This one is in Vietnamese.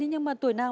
nhưng mà tuổi nào